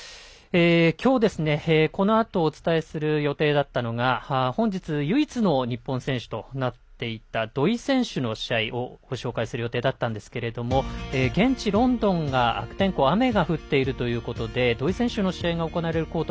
きょうは、このあとお伝えする予定だったのが本日唯一の日本選手となっていた土居選手の試合をご紹介する予定だったんですけれども現地、ロンドンが悪天候で雨が降っているということで土居選手の試合が行われるコート